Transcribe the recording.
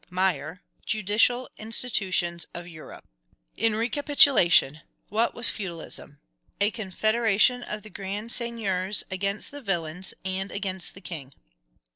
Meyer: Judicial Institutions of Europe. In recapitulation. What was feudalism? A confederation of the grand seign iors against the villeins, and against the king.